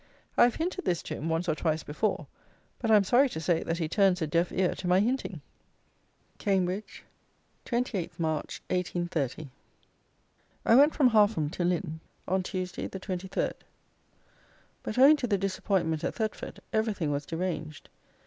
I have hinted this to him once or twice before, but I am sorry to say that he turns a deaf ear to my hinting. Cambridge, 28th March, 1830. I went from Hargham to Lynn on Tuesday, the 23rd; but owing to the disappointment at Thetford, everything was deranged.